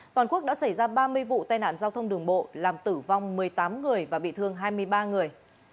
toàn quốc đã xảy ra ba mươi vụ tai nạn giao thông đường bộ làm tử vong một mươi tám người và bị thương hai mươi ba người